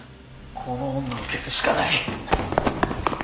「この女を消すしかない」